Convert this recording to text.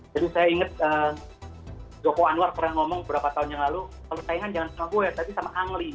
jadi saya ingat joko anwar pernah ngomong beberapa tahun yang lalu kalau saingan jangan sama gue tapi sama angli